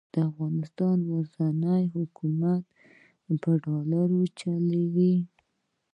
د افغانستان اوسنی حکومت په ډالرو چلېدلی.